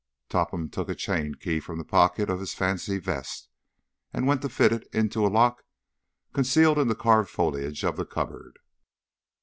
Topham took a chained key from the pocket of his fancy vest and went to fit it into a lock concealed in the carved foliage of the cupboard.